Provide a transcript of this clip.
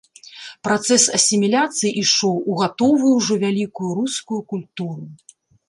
Працэс асіміляцыі ішоў у гатовую ўжо вялікую рускую культуру.